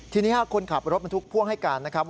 ทีนี้คนขับรถบรรทุกพ่วงให้การนะครับ